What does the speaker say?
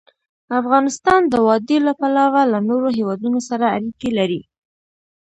افغانستان د وادي له پلوه له نورو هېوادونو سره اړیکې لري.